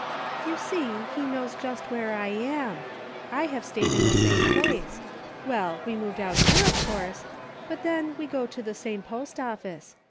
"You see, he knows just where I am; I have stayed in the same place — well, we moved out here, of course ; but then, we go to the same post office.